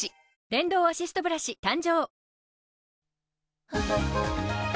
電動アシストブラシ誕生